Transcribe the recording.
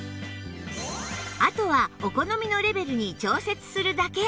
あとはお好みのレベルに調節するだけ